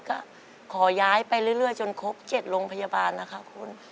ก็ขอย้ายไปเรื่อยจนครบ๗โรงพยาบาลนะคะคุณ